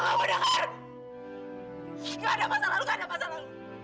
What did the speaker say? nggak ada masa lalu nggak ada masa lalu